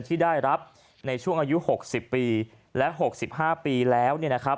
ที่ได้รับในช่วงอายุ๖๐ปีและ๖๕ปีแล้ว